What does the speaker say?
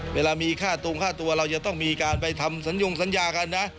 เวลามีค่าตรงค่าตัวเราจะต้องมีการไปทำสัญญงสัญญากันนะ